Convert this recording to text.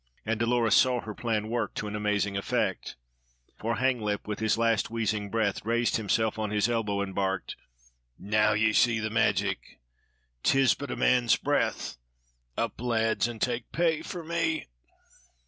And Dolores saw her plan work to amazing effect; for Hanglip, with his last wheezing breath, raised himself on his elbow, and barked: "Now ye see the magic! 'Tis but a man's breath. Up, lads, and take pay for me!"